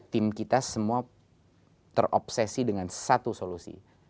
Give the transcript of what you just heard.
tim kita semua terobsesi dengan satu solusi